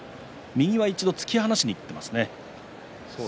右は一度突き放しにいっていますね。